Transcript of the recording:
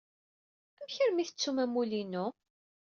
Amek armi ay tettum amulli-inu?